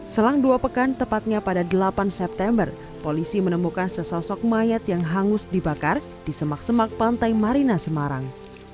selang dua pekan tepatnya pada delapan september polisi menemukan sesosok mayat yang hangus dibakar di semak semak pantai marina semarang